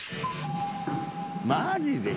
マジで！？